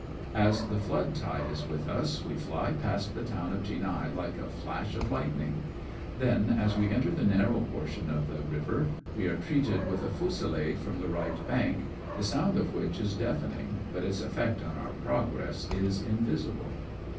As the flood tide is with us, we fly past the town of Chinhae like a flash of lightning ; then, as we enter the narrow portion of the river, we are treated with a fusillade from the right bank, the sound of which is deafening, but its effect on our progress is invisible.